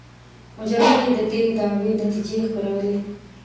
مجله کې د دې دعوې نتیجې خپرولې.